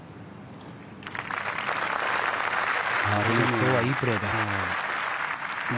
今日はいいプレーだな。